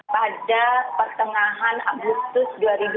pada pertengahan agustus dua ribu dua puluh